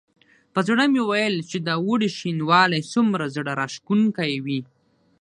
په زړه مې ویل چې د اوړي شینوالی څومره زړه راښکونکی وي.